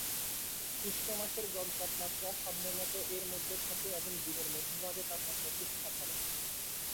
উষ্ণ-মাসের গড় তাপমাত্রা সাধারণত এর মধ্যে থাকে, এবং দিনের মধ্যভাগে তাপমাত্রা খুব সাধারণ।